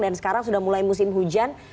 dan sekarang sudah mulai musim hujan